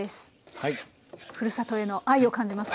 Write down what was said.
ふるさとへの愛を感じます